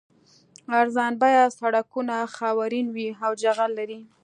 ارزان بیه سړکونه خاورین وي او جغل لري